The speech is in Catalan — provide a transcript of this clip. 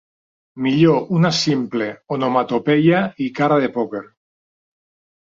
Millor una simple onomatopeia i cara de pòquer.